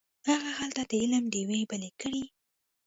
هغه هلته د علم ډیوې بلې کړې.